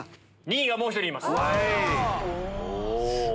２位がもう１人います。